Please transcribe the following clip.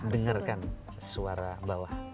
dengarkan suara bawah